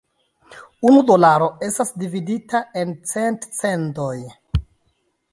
Unu dolaro estas dividita en cent "cendoj".